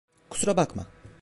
Kusura bakma.